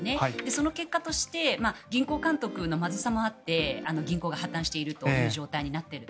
その結果として銀行監督のまずさもあって銀行が破たんしているという状態になっている。